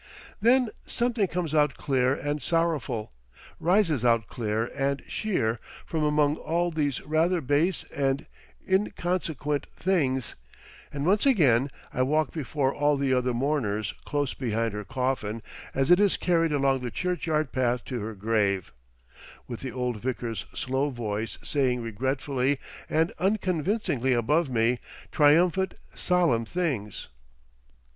Then something comes out clear and sorrowful, rises out clear and sheer from among all these rather base and inconsequent things, and once again I walk before all the other mourners close behind her coffin as it is carried along the churchyard path to her grave, with the old vicar's slow voice saying regretfully and unconvincingly above me, triumphant solemn things.